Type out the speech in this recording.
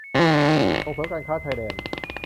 ส่งเสริมการค้าชายแดน